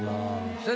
先生